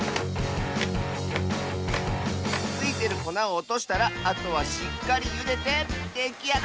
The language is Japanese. ついてるこなをおとしたらあとはしっかりゆでてできあがりッス！